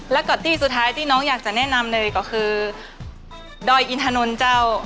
แล้วก็ตี้สุดท้ายที่น้องอยากจะแนะนำเลยก็คือดอยอินถนนเจ้า